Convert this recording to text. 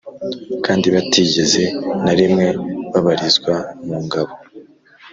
kandi batigeze na rimwe babarizwa mu ngabo